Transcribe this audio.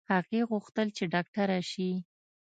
هغې غوښتل چې ډاکټره شي